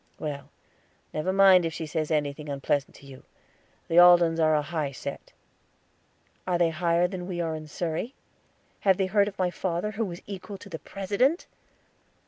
"Well, never mind her if she says anything unpleasant to you; the Aldens are a high set." "Are they higher than we are in Surrey? Have they heard of my father, who is equal to the President?"